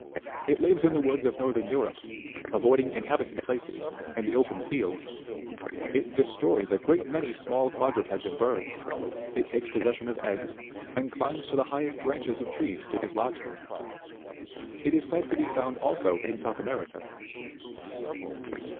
It lives in the woods of northern Europe, avoiding inhabited places and the open fields ; it destroys a great many small quadrupeds and birds ; it takes possession of eggs, and climbs to the highest branches of trees to dislodge them. It is said to be found also in South America.